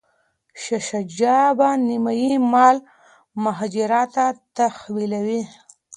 شاه شجاع به نیمایي مال مهاراجا ته تحویلوي.